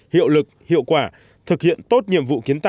hiệu lực hiệu quả thực hiện tốt nhiệm vụ kiến tạo